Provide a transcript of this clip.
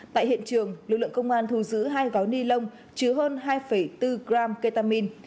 tại hiện trường lực lượng công an thu giữ hai gói ni lông chứa hơn hai bốn gram ketamin